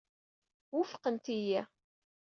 Wufqent-iyi.